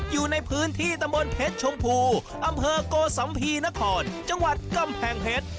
อยู่ในพื้นที่ตำบลเพชรชมพูอำเภอโกสัมภีนครจังหวัดกำแพงเพชร